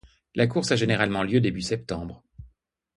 La course a généralement lieu début septembre.